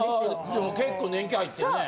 でも結構年季入ってるね。